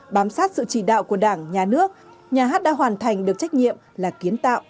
bám sát sự chỉ đạo của đảng nhà nước nhà hát đã hoàn thành được trách nhiệm là kiến tạo